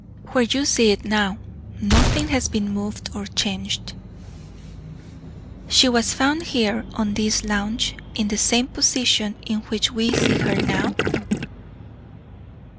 "Where you see it now. Nothing has been moved or changed." "She was found here, on this lounge, in the same position in which we see her now?"